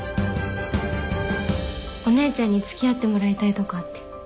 お姉ちゃんに付き合ってもらいたいとこあって。